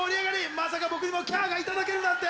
まさか僕にもキャーがいただけるなんて。